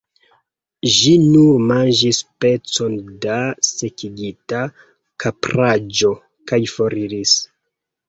Ĝi nur manĝis pecon da sekigita kapraĵo, kaj foriris.